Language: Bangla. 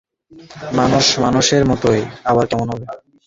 মানুষ মানুষের মতোই, আবার কেমন হবে!